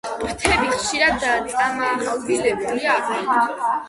ფრთები ხშირად წამახვილებული აქვთ.